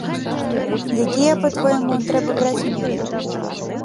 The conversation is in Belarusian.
Якія, па-твойму, трэба браць меры?